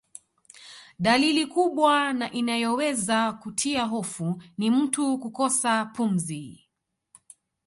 Dalili kubwa na inayoweza kutia hofu ni mtu kukosa pumzi